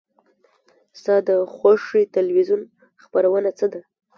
ستا د خوښې تلویزیون خپرونه څه ده؟